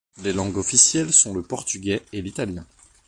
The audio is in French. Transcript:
Les langues officiels sont le portugais et l'italien.